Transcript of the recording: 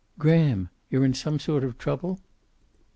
"Graham, you're in some sort of trouble?"